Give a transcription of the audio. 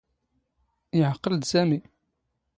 ⵉⵄⵇⵇⵍ ⴷ ⵙⴰⵎⵉ.